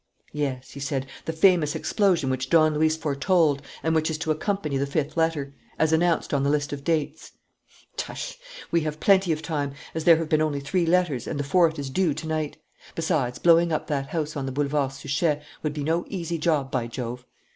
"Yes," he said, "the famous explosion which Don Luis foretold and which is to accompany the fifth letter, as announced on the list of dates. Tush! We have plenty of time, as there have been only three letters and the fourth is due to night. Besides, blowing up that house on the Boulevard Suchet would be no easy job, by Jove!